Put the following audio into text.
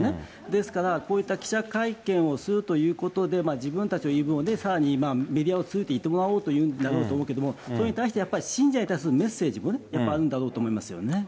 ですから、こういった記者会見をするということで、自分たちの言い分をさらにメディアを通じて言ってもらおうというんだと思うんだけど、それに対して、やっぱり信者に対するメッセージもやっぱりあるんだろうと思いますね。